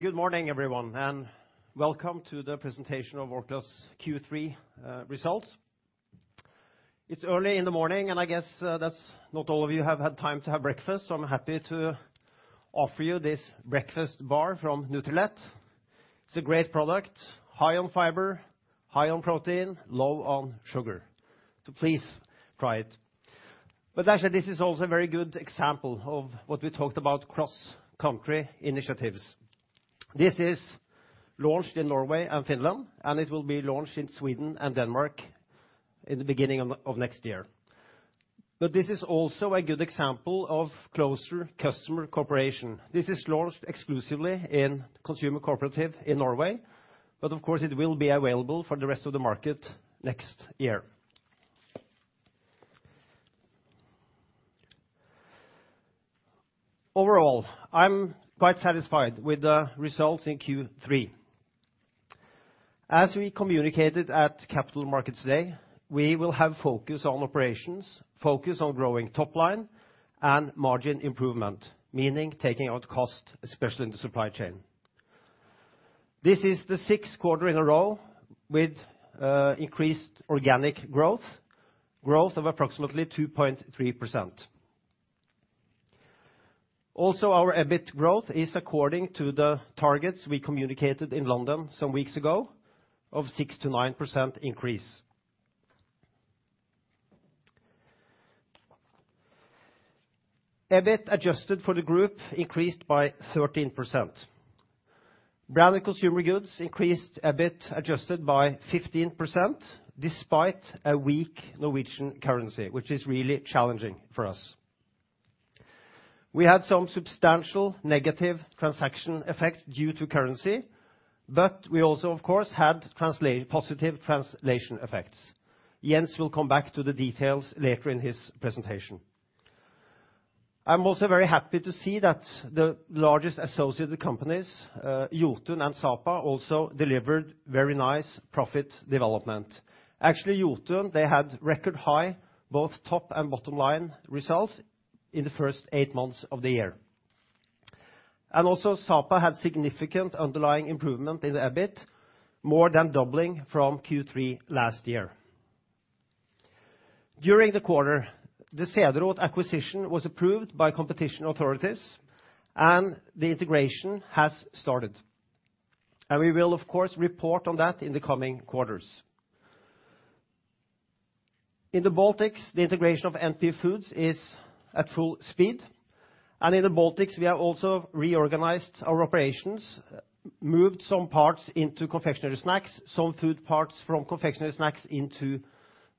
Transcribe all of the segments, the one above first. Good morning, everyone, and welcome to the presentation of Orkla's Q3 results. It's early in the morning, and I guess that not all of you have had time to have breakfast, so I'm happy to offer you this breakfast bar from Nutrilett. It's a great product. High on fiber, high on protein, low on sugar. Please try it. Actually, this is also a very good example of what we talked about, cross-country initiatives. This is launched in Norway and Finland, and it will be launched in Sweden and Denmark in the beginning of next year. This is also a good example of closer customer cooperation. This is launched exclusively in consumer cooperative in Norway, but of course, it will be available for the rest of the market next year. Overall, I'm quite satisfied with the results in Q3. As we communicated at Capital Markets Day, we will have focus on operations, focus on growing top line and margin improvement, meaning taking out cost, especially in the supply chain. This is the sixth quarter in a row with increased organic growth. Growth of approximately 2.3%. Also our EBIT growth is according to the targets we communicated in London some weeks ago of 6%-9% increase. EBIT adjusted for the group increased by 13%. Branded Consumer Goods increased EBIT adjusted by 15%, despite a weak Norwegian currency, which is really challenging for us. We had some substantial negative transaction effects due to currency. We also, of course, had positive translation effects. Jens will come back to the details later in his presentation. I'm also very happy to see that the largest associated companies, Jotun and Sapa, also delivered very nice profit development. Actually, Jotun, they had record high both top and bottom line results in the first eight months of the year. Also Sapa had significant underlying improvement in the EBIT, more than doubling from Q3 last year. During the quarter, the Cederroth acquisition was approved by competition authorities and the integration has started. We will, of course, report on that in the coming quarters. In the Baltics, the integration of NP Foods is at full speed, and in the Baltics, we have also reorganized our operations, moved some parts into Orkla Confectionery & Snacks, some food parts from Orkla Confectionery & Snacks into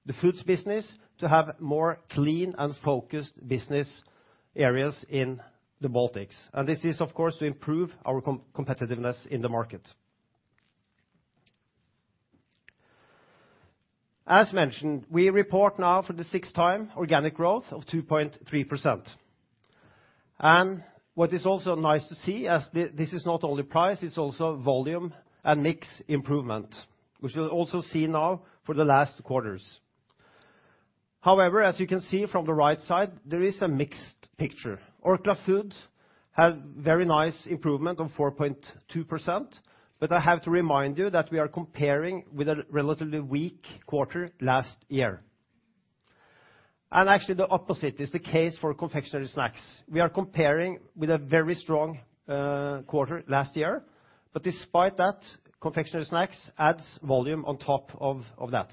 the Orkla Foods business, to have more clean and focused business areas in the Baltics. This is, of course, to improve our competitiveness in the market. As mentioned, we report now for the sixth time organic growth of 2.3%. What is also nice to see is this is not only price, it's also volume and mix improvement, which you'll also see now for the last quarters. However, as you can see from the right side, there is a mixed picture. Orkla Foods had very nice improvement of 4.2%, but I have to remind you that we are comparing with a relatively weak quarter last year. Actually, the opposite is the case for Orkla Confectionery & Snacks. We are comparing with a very strong quarter last year, but despite that, Orkla Confectionery & Snacks adds volume on top of that.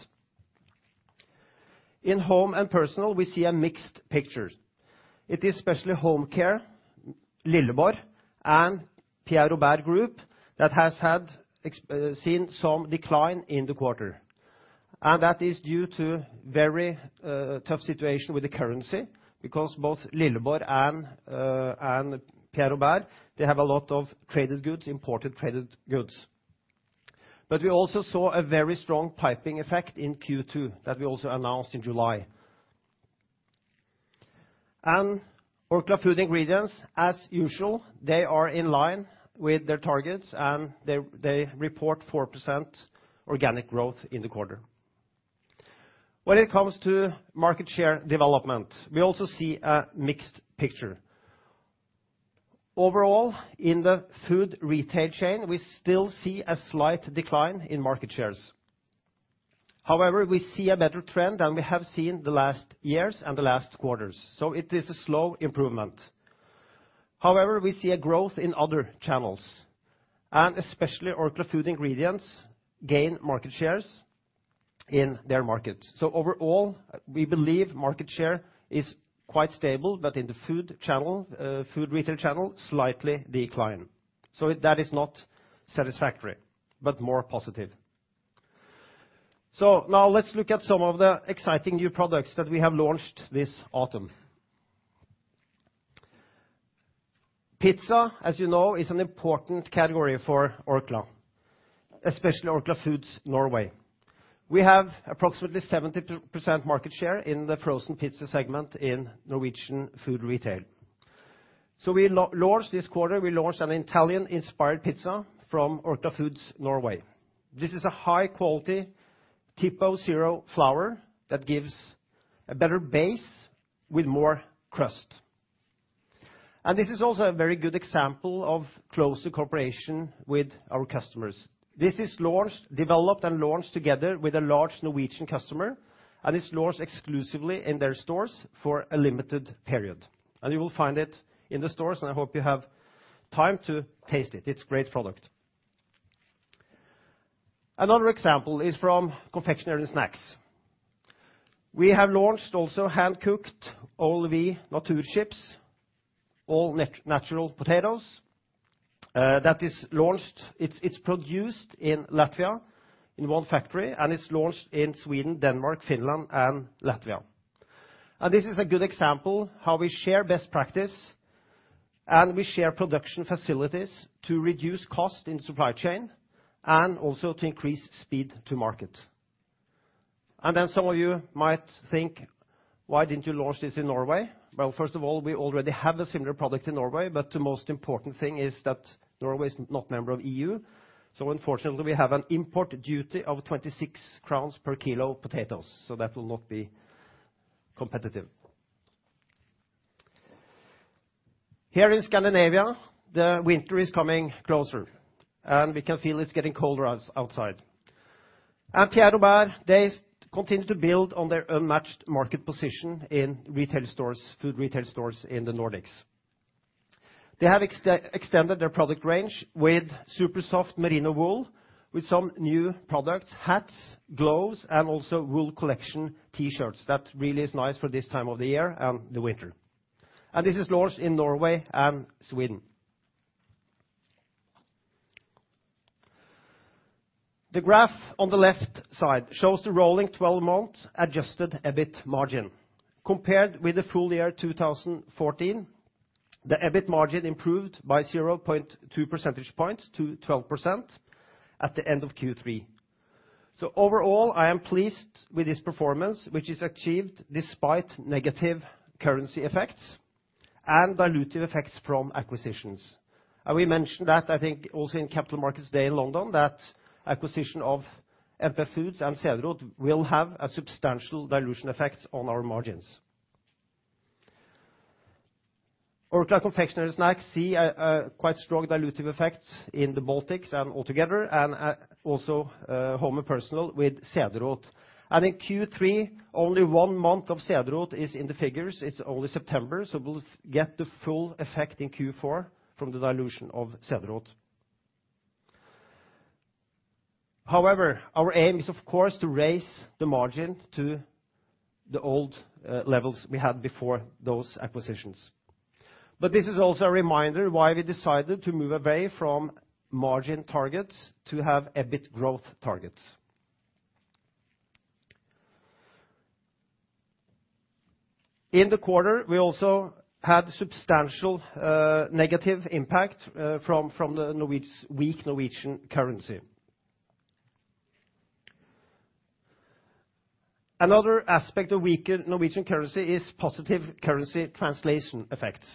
In Orkla Home & Personal, we see a mixed picture. It is especially Home Care, Lilleborg, and Pierre Robert Group that has seen some decline in the quarter. That is due to very tough situation with the currency because both Lilleborg and Pierre Robert, they have a lot of traded goods, imported traded goods. We also saw a very strong piping effect in Q2 that we also announced in July. Orkla Food Ingredients, as usual, they are in line with their targets and they report 4% organic growth in the quarter. When it comes to market share development, we also see a mixed picture. Overall, in the food retail chain, we still see a slight decline in market shares. However, we see a better trend than we have seen the last years and the last quarters. It is a slow improvement. However, we see a growth in other channels, and especially Orkla Food Ingredients gain market shares in their market. Overall, we believe market share is quite stable, but in the food retail channel, slightly decline. That is not satisfactory, but more positive. Now let's look at some of the exciting new products that we have launched this autumn. Pizza, as you know, is an important category for Orkla, especially Orkla Foods Norway. We have approximately 70% market share in the frozen pizza segment in Norwegian food retail. This quarter, we launched an Italian-inspired pizza from Orkla Foods Norway. This is a high quality Tipo 00 flour that gives a better base with more crust. This is also a very good example of closer cooperation with our customers. This is developed and launched together with a large Norwegian customer, and it's launched exclusively in their stores for a limited period. You will find it in the stores, and I hope you have time to taste it. It's a great product. Another example is from Orkla Confectionery & Snacks. We have launched also hand-cooked OLW Naturchips, all-natural potatoes that is launched. It's produced in Latvia in one factory and it's launched in Sweden, Denmark, Finland and Latvia. This is a good example how we share best practice and we share production facilities to reduce cost in supply chain and also to increase speed to market. Some of you might think, "Why didn't you launch this in Norway?" First of all, we already have a similar product in Norway, but the most important thing is that Norway is not member of EU. Unfortunately, we have an import duty of 26 crowns per kilo of potatoes, that will not be competitive. Here in Scandinavia, the winter is coming closer, and we can feel it's getting colder outside. Pierre Robert, they continue to build on their unmatched market position in food retail stores in the Nordics. They have extended their product range with super soft Merino wool, with some new products, hats, gloves and also wool collection T-shirts that really is nice for this time of the year and the winter. This is launched in Norway and Sweden. The graph on the left side shows the rolling 12-month adjusted EBIT margin. Compared with the full year 2014, the EBIT margin improved by 0.2 percentage points to 12% at the end of Q3. Overall, I am pleased with this performance, which is achieved despite negative currency effects and dilutive effects from acquisitions. We mentioned that, I think, also in Capital Markets Day in London, that acquisition of NP Foods and Cederroth will have a substantial dilution effect on our margins. Orkla Confectionery & Snacks see a quite strong dilutive effect in the Baltics and altogether, and also Home & Personal with Cederroth. In Q3, only one month of Cederroth is in the figures. It is only September, so we will get the full effect in Q4 from the dilution of Cederroth. However, our aim is, of course, to raise the margin to the old levels we had before those acquisitions. This is also a reminder why we decided to move away from margin targets to have EBIT growth targets. In the quarter, we also had substantial negative impact from the weak Norwegian currency. Another aspect of weaker Norwegian currency is positive currency translation effects.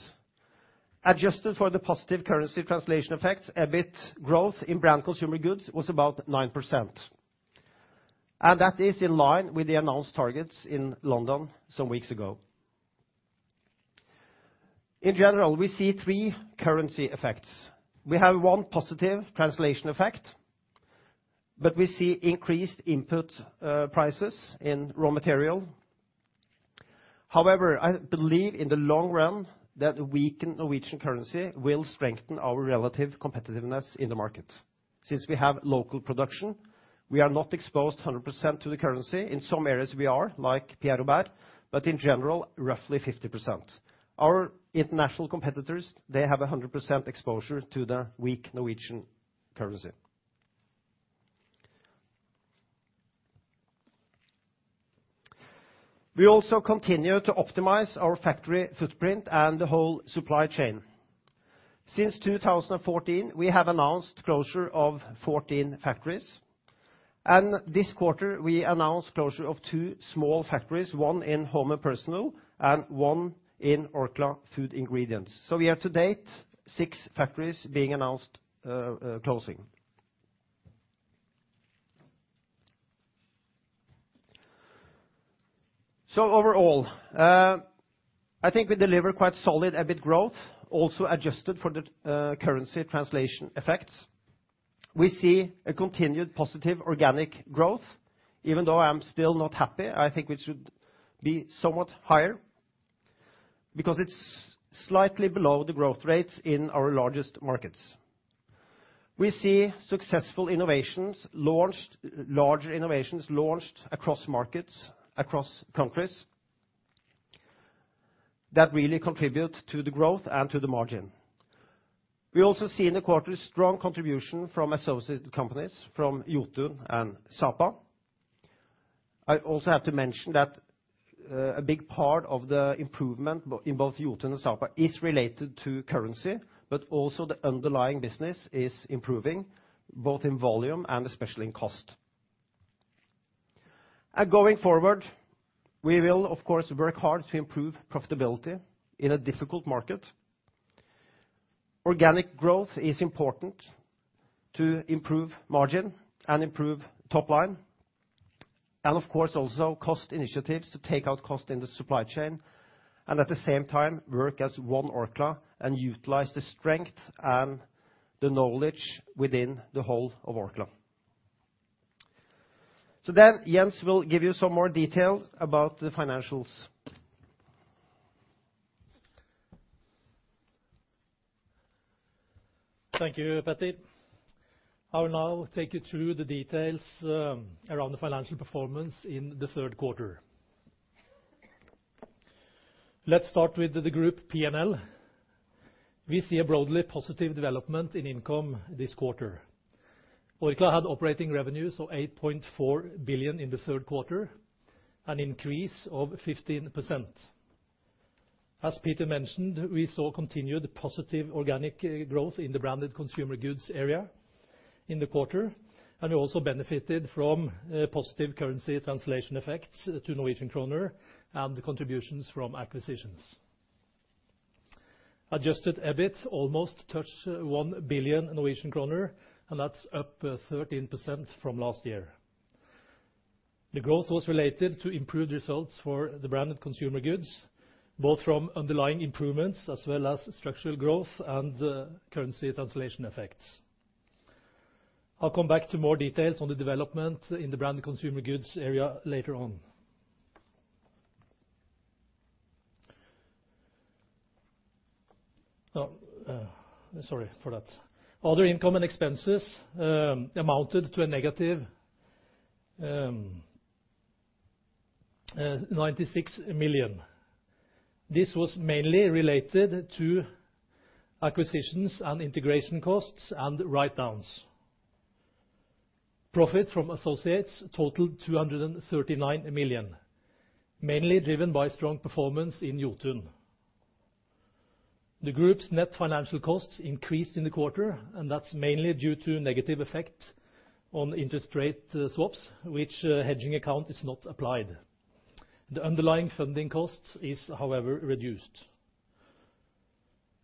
Adjusted for the positive currency translation effects, EBIT growth in Branded Consumer Goods was about 9%. That is in line with the announced targets in London some weeks ago. In general, we see three currency effects. We have one positive translation effect, but we see increased input prices in raw material. However, I believe in the long run that weakened Norwegian currency will strengthen our relative competitiveness in the market. Since we have local production, we are not exposed 100% to the currency. In some areas we are, like Pierre Robert, but in general, roughly 50%. Our international competitors, they have 100% exposure to the weak Norwegian currency. We also continue to optimize our factory footprint and the whole supply chain. Since 2014, we have announced closure of 14 factories, and this quarter we announced closure of two small factories, one in Home & Personal and one in Orkla Food Ingredients. We have to date six factories being announced closing. Overall, I think we deliver quite solid EBIT growth, also adjusted for the currency translation effects. We see a continued positive organic growth, even though I am still not happy. I think we should be somewhat higher because it is slightly below the growth rates in our largest markets. We see successful innovations launched, large innovations launched across markets, across countries that really contribute to the growth and to the margin. We also see in the quarter strong contribution from associated companies, from Jotun and Sapa. I also have to mention that a big part of the improvement in both Jotun and Sapa is related to currency, but also the underlying business is improving both in volume and especially in cost. Going forward, we will of course work hard to improve profitability in a difficult market. Organic growth is important to improve margin and improve top line. Of course, also cost initiatives to take out cost in the supply chain and at the same time work as one Orkla and utilize the strength and the knowledge within the whole of Orkla. Jens will give you some more detail about the financials. Thank you, Petter. I will now take you through the details around the financial performance in the third quarter. Let's start with the group P&L. We see a broadly positive development in income this quarter. Orkla had operating revenues of 8.4 billion in the third quarter, an increase of 15%. As Peter mentioned, we saw continued positive organic growth in the Branded Consumer Goods area in the quarter, and we also benefited from positive currency translation effects to NOK and contributions from acquisitions. Adjusted EBIT almost touched 1 billion Norwegian kroner, and that's up 13% from last year. The growth was related to improved results for the Branded Consumer Goods, both from underlying improvements as well as structural growth and currency translation effects. I'll come back to more details on the development in the Branded Consumer Goods area later on. Oh, sorry for that. Other income and expenses amounted to a negative 96 million. This was mainly related to acquisitions and integration costs and write-downs. Profits from associates totaled 239 million, mainly driven by strong performance in Jotun. The group's net financial costs increased in the quarter, and that's mainly due to negative effect on interest rate swaps, which hedging account is not applied. The underlying funding cost is, however, reduced.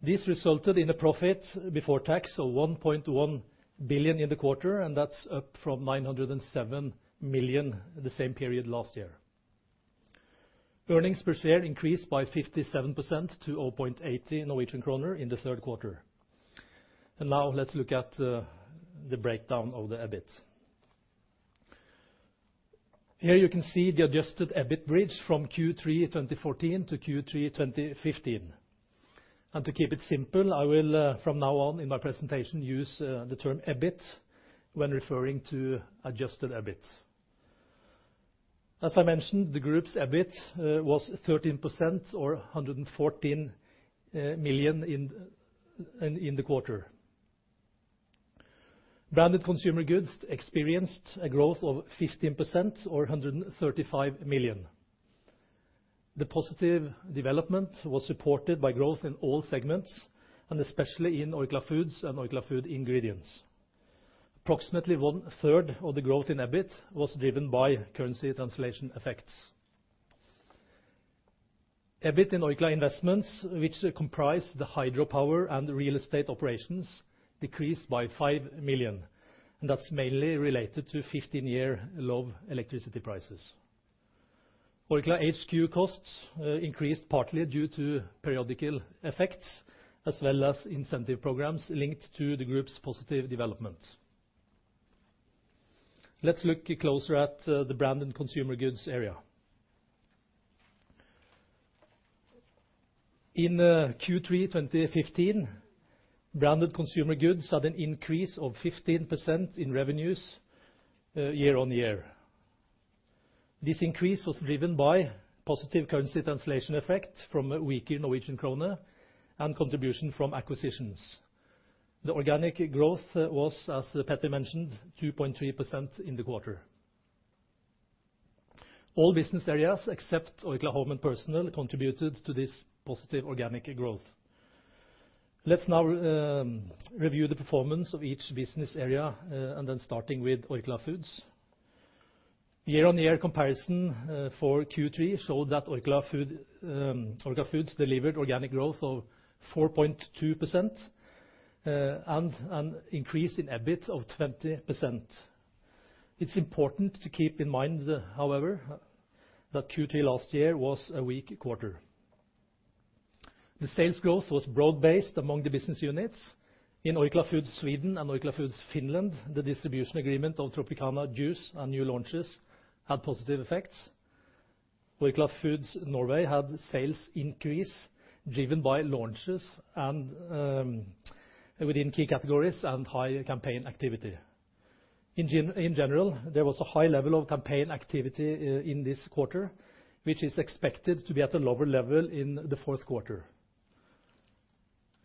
This resulted in a profit before tax of 1.1 billion in the quarter, and that's up from 907 million the same period last year. Earnings per share increased by 57% to 0.80 Norwegian kroner in the third quarter. Now let's look at the breakdown of the EBIT. Here you can see the adjusted EBIT bridge from Q3 2014 to Q3 2015. To keep it simple, I will from now on in my presentation use the term EBIT when referring to adjusted EBIT. As I mentioned, the group's EBIT was 13% or 114 million in the quarter. Branded Consumer Goods experienced a growth of 15% or 135 million. The positive development was supported by growth in all segments and especially in Orkla Foods and Orkla Food Ingredients. Approximately one third of the growth in EBIT was driven by currency translation effects. EBIT in Orkla Investments, which comprise the hydropower and real estate operations, decreased by 5 million, and that's mainly related to 15-year low electricity prices. Orkla HQ costs increased partly due to periodical effects as well as incentive programs linked to the group's positive development. Let's look closer at the Branded Consumer Goods area. In Q3 2015, Branded Consumer Goods had an increase of 15% in revenues year-on-year. This increase was driven by positive currency translation effect from weaker NOK and contribution from acquisitions. The organic growth was, as Petter mentioned, 2.3% in the quarter. All business areas except Orkla Home & Personal contributed to this positive organic growth. Let's now review the performance of each business area starting with Orkla Foods. Year-on-year comparison for Q3 showed that Orkla Foods delivered organic growth of 4.2% and an increase in EBIT of 20%. It's important to keep in mind, however, that Q3 last year was a weak quarter. The sales growth was broad-based among the business units. In Orkla Foods Sverige and Orkla Foods Finland, the distribution agreement of Tropicana juice and new launches had positive effects. Orkla Foods Norge had sales increase driven by launches within key categories and high campaign activity. In general, there was a high level of campaign activity in this quarter, which is expected to be at a lower level in the fourth quarter.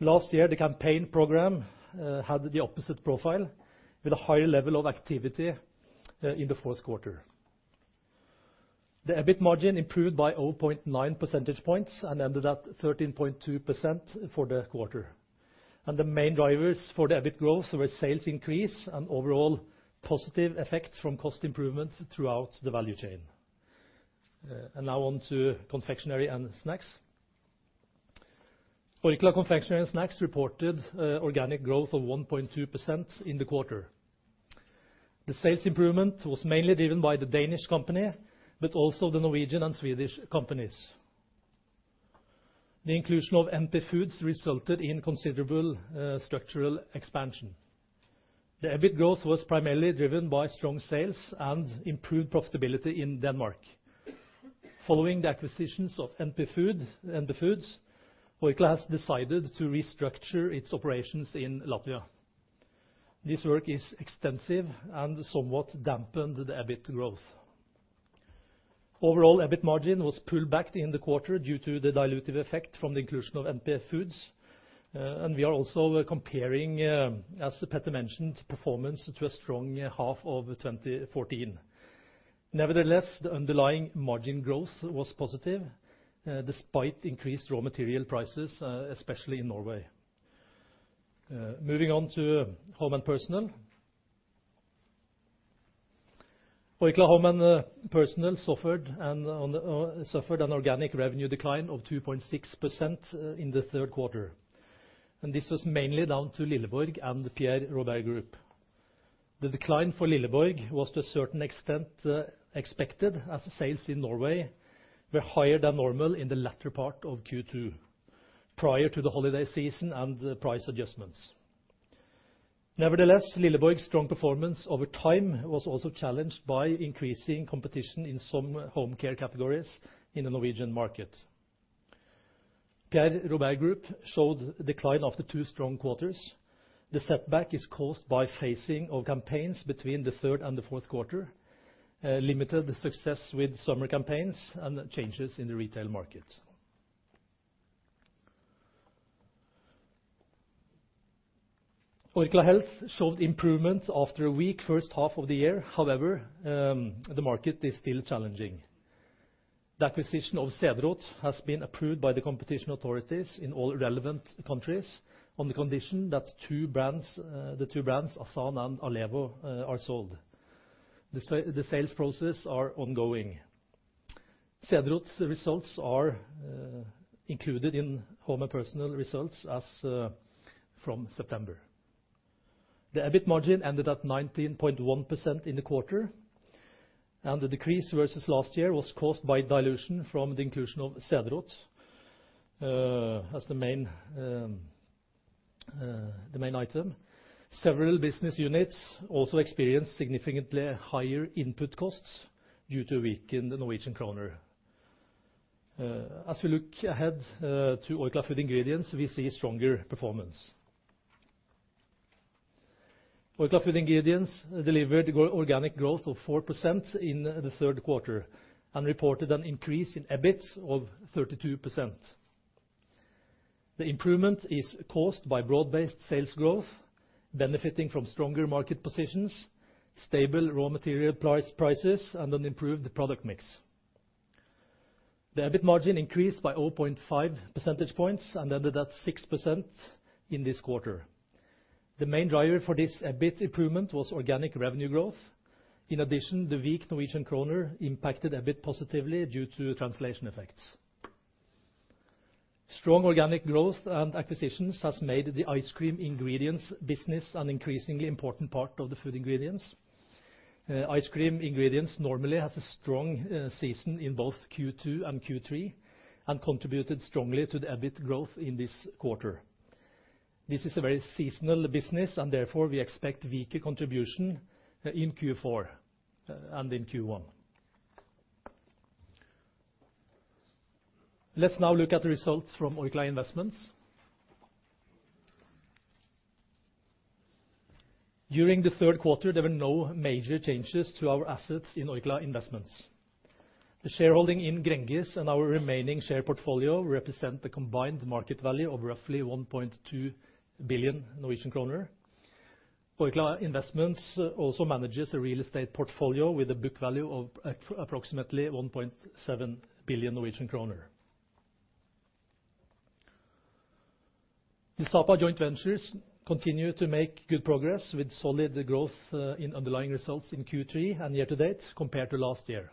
Last year, the campaign program had the opposite profile with a higher level of activity in the fourth quarter. The EBIT margin improved by 0.9 percentage points and ended at 13.2% for the quarter. The main drivers for the EBIT growth were sales increase and overall positive effects from cost improvements throughout the value chain. Now on to Orkla Confectionery & Snacks. Orkla Confectionery & Snacks reported organic growth of 1.2% in the quarter. The sales improvement was mainly driven by the Danish company, but also the Norwegian and Swedish companies. The inclusion of NP Foods resulted in considerable structural expansion. The EBIT growth was primarily driven by strong sales and improved profitability in Denmark. Following the acquisitions of NP Foods, Orkla has decided to restructure its operations in Latvia. This work is extensive and somewhat dampened the EBIT growth. Overall, EBIT margin was pulled back in the quarter due to the dilutive effect from the inclusion of NP Foods. We are also comparing, as Petter mentioned, performance to a strong half of 2014. Nevertheless, the underlying margin growth was positive despite increased raw material prices, especially in Norway. Moving on to Orkla Home & Personal. Orkla Home & Personal suffered an organic revenue decline of 2.6% in the third quarter, and this was mainly down to Lilleborg and Pierre Robert Group. The decline for Lilleborg was to a certain extent expected, as sales in Norway were higher than normal in the latter part of Q2, prior to the holiday season and price adjustments. Nevertheless, Lilleborg's strong performance over time was also challenged by increasing competition in some home care categories in the Norwegian market. Pierre Robert Group showed a decline after two strong quarters. The setback is caused by phasing of campaigns between the third and the fourth quarter, limited success with summer campaigns, and changes in the retail market. Orkla Health showed improvements after a weak first half of the year. However, the market is still challenging. The acquisition of Cederroth has been approved by the competition authorities in all relevant countries on the condition that the two brands, Asan and Allévo, are sold. The sales process are ongoing. Cederroth's results are included in Home & Personal results as from September. The EBIT margin ended at 19.1% in the quarter. The decrease versus last year was caused by dilution from the inclusion of Cederroth as the main item. Several business units also experienced significantly higher input costs due to a weakened Norwegian kroner. As we look ahead to Orkla Food Ingredients, we see stronger performance. Orkla Food Ingredients delivered organic growth of 4% in the third quarter and reported an increase in EBIT of 32%. The improvement is caused by broad-based sales growth, benefiting from stronger market positions, stable raw material prices, and an improved product mix. The EBIT margin increased by 0.5 percentage points and ended at 6% in this quarter. The main driver for this EBIT improvement was organic revenue growth. In addition, the weak Norwegian kroner impacted a bit positively due to translation effects. Strong organic growth and acquisitions has made the ice cream ingredients business an increasingly important part of the food ingredients. Ice cream ingredients normally has a strong season in both Q2 and Q3 and contributed strongly to the EBIT growth in this quarter. This is a very seasonal business, therefore, we expect weaker contribution in Q4 and in Q1. Let's now look at the results from Orkla Investments. During the third quarter, there were no major changes to our assets in Orkla Investments. The shareholding in Gränges and our remaining share portfolio represent the combined market value of roughly 1.2 billion Norwegian kroner. Orkla Investments also manages a real estate portfolio with a book value of approximately 1.7 billion Norwegian kroner. The Sapa joint ventures continue to make good progress with solid growth in underlying results in Q3 and year to date compared to last year.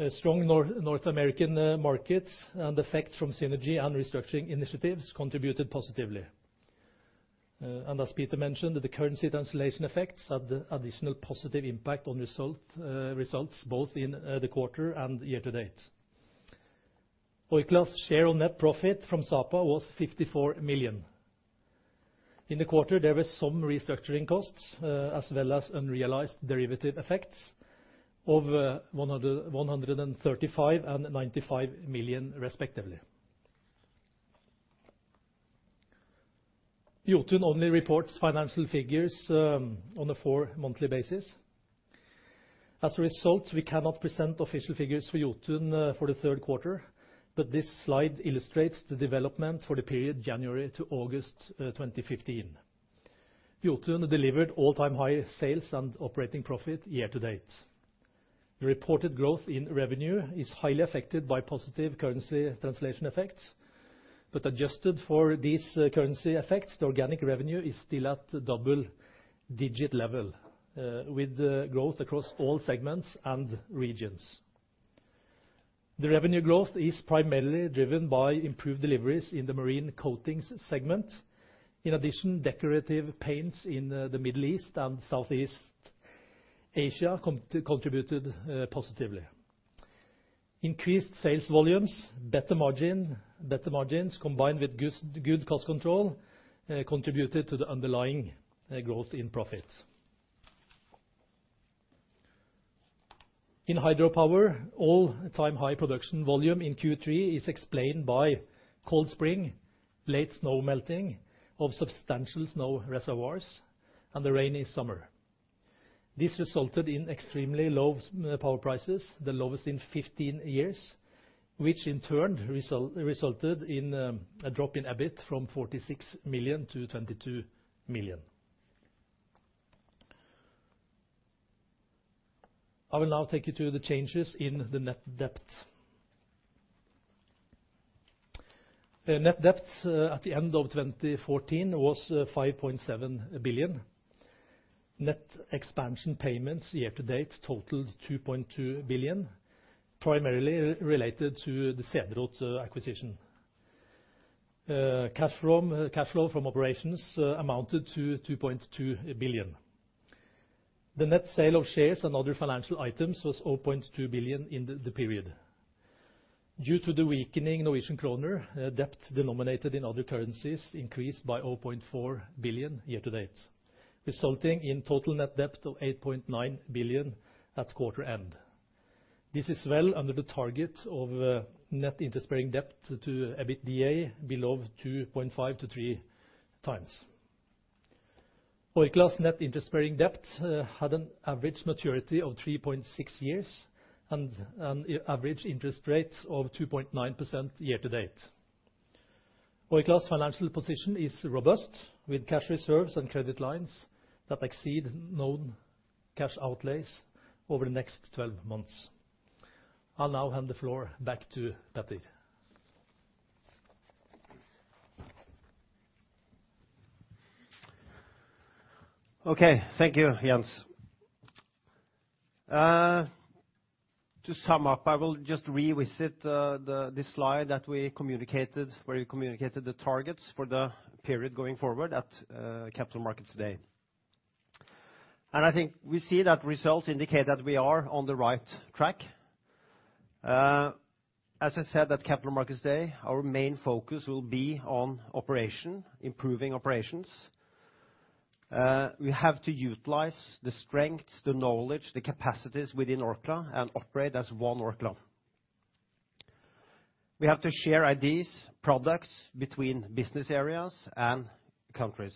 A strong North American markets and effect from synergy and restructuring initiatives contributed positively. As Petter mentioned, the currency translation effects had additional positive impact on results both in the quarter and year to date. Orkla's share on net profit from Sapa was 54 million. In the quarter, there were some restructuring costs, as well as unrealized derivative effects of 135 million and 95 million, respectively. Jotun only reports financial figures on a four-monthly basis. As a result, we cannot present official figures for Jotun for the third quarter, but this slide illustrates the development for the period January to August 2015. Jotun delivered all-time high sales and operating profit year to date. The reported growth in revenue is highly affected by positive currency translation effects. But adjusted for these currency effects, the organic revenue is still at double digit level with growth across all segments and regions. The revenue growth is primarily driven by improved deliveries in the marine coatings segment. In addition, decorative paints in the Middle East and Southeast Asia contributed positively. Increased sales volumes, better margins, combined with good cost control, contributed to the underlying growth in profits. In hydropower, all-time high production volume in Q3 is explained by cold spring, late snow melting of substantial snow reservoirs, and a rainy summer. This resulted in extremely low power prices, the lowest in 15 years, which in turn resulted in a drop in EBIT from 46 million to 22 million. I will now take you to the changes in the net debt. Net debt at the end of 2014 was 5.7 billion. Net expansion payments year to date totaled 2.2 billion, primarily related to the Cederroth acquisition. Cash flow from operations amounted to 2.2 billion. The net sale of shares and other financial items was 0.2 billion in the period. Due to the weakening Norwegian kroner, debt denominated in other currencies increased by 0.4 billion year to date, resulting in total net debt of 8.9 billion at quarter end. This is well under the target of net interest-bearing debt to EBITDA below 2.5 to three times. Orkla's net interest-bearing debt had an average maturity of 3.6 years and an average interest rate of 2.9% year to date. Orkla's financial position is robust, with cash reserves and credit lines that exceed known cash outlays over the next 12 months. I'll now hand the floor back to Peter. Okay. Thank you, Jens. To sum up, I will just revisit this slide where we communicated the targets for the period going forward at Capital Markets Day. I think we see that results indicate that we are on the right track. As I said at Capital Markets Day, our main focus will be on improving operations. We have to utilize the strengths, the knowledge, the capacities within Orkla, and operate as one Orkla. We have to share ideas, products between business areas and countries.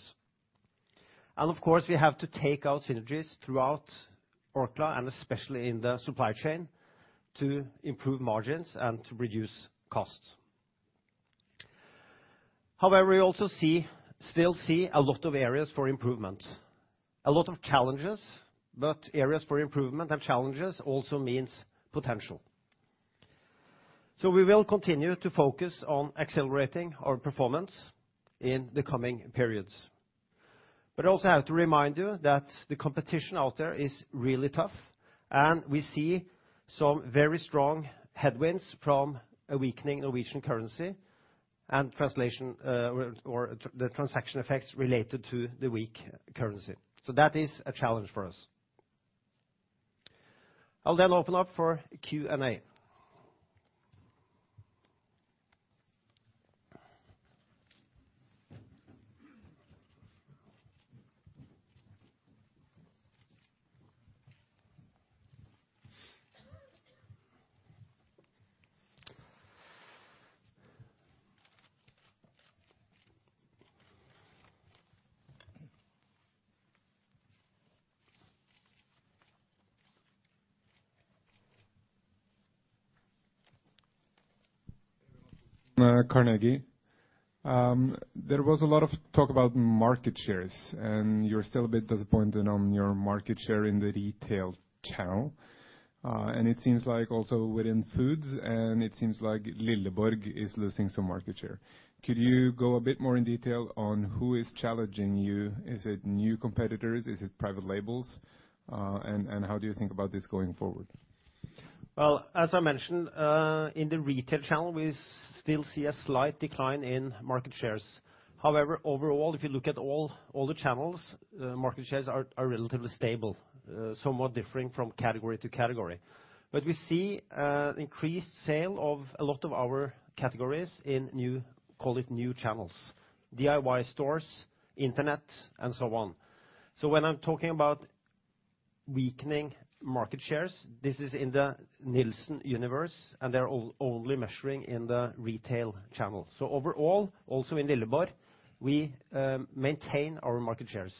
Of course, we have to take our synergies throughout Orkla, and especially in the supply chain, to improve margins and to reduce costs. However, we also still see a lot of areas for improvement. A lot of challenges, but areas for improvement and challenges also means potential. We will continue to focus on accelerating our performance in the coming periods. I also have to remind you that the competition out there is really tough, and we see some very strong headwinds from a weakening Norwegian currency and the transaction effects related to the weak currency. That is a challenge for us. I'll then open up for Q&A. Carnegie. There was a lot of talk about market shares, and you're still a bit disappointed on your market share in the retail channel. It seems like also within foods, and it seems like Lilleborg is losing some market share. Could you go a bit more in detail on who is challenging you? Is it new competitors? Is it private labels? How do you think about this going forward? Well, as I mentioned, in the retail channel, we still see a slight decline in market shares. However, overall, if you look at all the channels, market shares are relatively stable. Somewhat differing from category to category. We see increased sale of a lot of our categories in new, call it new channels. DIY stores, internet, and so on. When I'm talking about weakening market shares, this is in the Nielsen universe, and they're only measuring in the retail channel. Overall, also in Lilleborg, we maintain our market shares.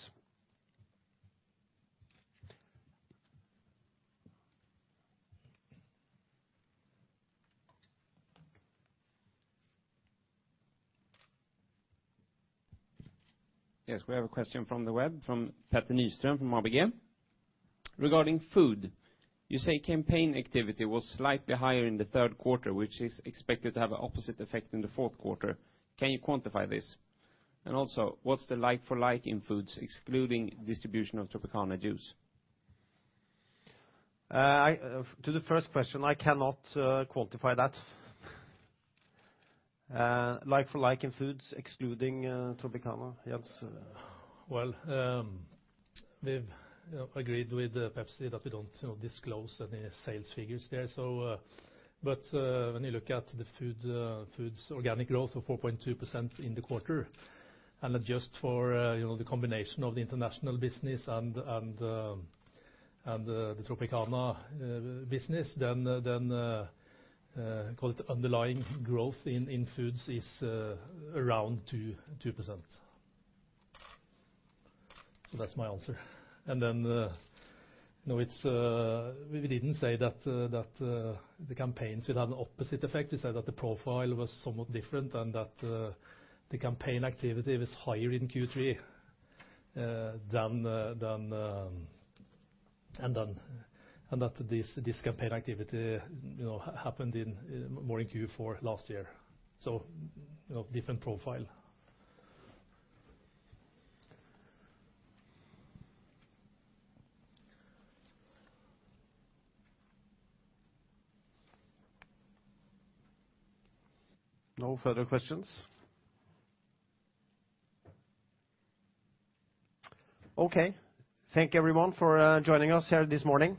Yes, we have a question from the web from Petter Nystrøm from ABG. Regarding food, you say campaign activity was slightly higher in the third quarter, which is expected to have an opposite effect in the fourth quarter. Can you quantify this? Also, what's the like-for-like in foods excluding distribution of Tropicana juice? To the first question, I cannot quantify that. Like-for-like in foods excluding Tropicana. Jens? Well, we've agreed with PepsiCo that we don't disclose any sales figures there. When you look at the food's organic growth of 4.2% in the quarter, and adjust for the combination of the international business and the Tropicana business, then call it underlying growth in foods is around 2%. That's my answer. Then, we didn't say that the campaigns would have an opposite effect. We said that the profile was somewhat different and that the campaign activity was higher in Q3 and that this campaign activity happened more in Q4 last year. Different profile. No further questions? Okay. Thank you everyone for joining us here this morning.